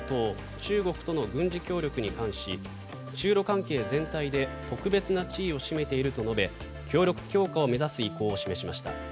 中国との軍事協力に関し中ロ関係全体で特別な地位を占めていると述べ協力強化を目指す意向を示しました。